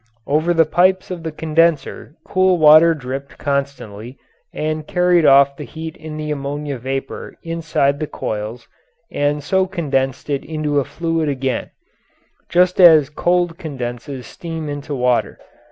Over the pipes of the condenser cool water dripped constantly and carried off the heat in the ammonia vapour inside the coils and so condensed it into a fluid again just as cold condenses steam into water.